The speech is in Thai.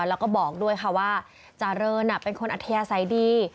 แล้วก็บอกด้วยค่ะว่าจาเรินเป็นคนอัธยาศัยดี